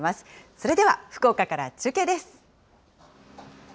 それでは、福岡から中継です。